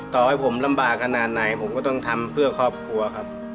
ต่อให้ผมลำบากขนาดไหนผมก็ต้องทำเพื่อครอบครัวครับ